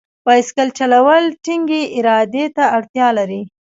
بایسکل چلول ټینګې ارادې ته اړتیا لري.